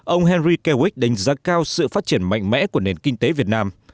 ông henry kewich đánh giá cao sự phát triển mạnh mẽ của nền kinh tế việt nam